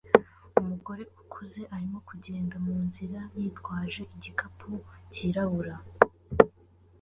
Umugore ukuze arimo kugenda munzira yitwaje igikapu cyirabura